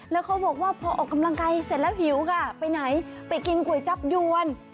แล้วเขาบอกว่าพอออกกำลังกายเสร็จแล้วหิวค่ะไปไหนไปกินก๋วยจับยวน